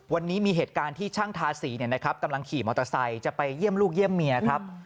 วันนี้มีเหตุการณ์ที่ช่างทาสีกำลังขี่มอเตอร์ไซค์จะไปเยี่ยมลูกเยี่ยมเมียครับ